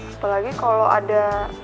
apalagi kalau ada